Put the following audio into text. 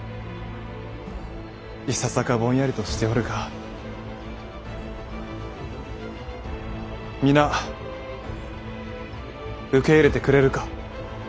いささかぼんやりとしておるが皆受け入れてくれるか？